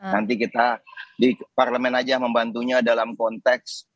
nanti kita di parlemen aja membantunya dalam konteks